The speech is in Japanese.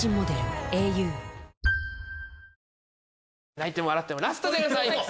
泣いても笑ってもラストです